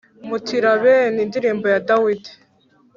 Mutilabeni Indirimbo ya Dawidi